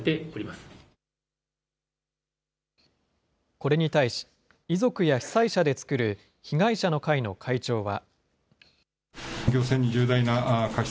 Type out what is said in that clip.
これに対し、遺族や被災者で作る被害者の会の会長は。